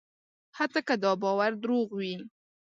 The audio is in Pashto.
حتی که دا باور دروغ وي.